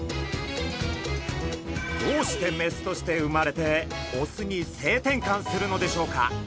どうしてメスとして生まれてオスに性転換するのでしょうか？